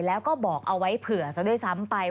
แล้วก็บอกเอาไว้เผื่อซะด้วยซ้ำไป